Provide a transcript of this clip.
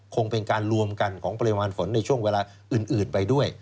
คงเป็นการรวมกันของปริมาณฝนในช่วงเวลาอื่นไปด้วย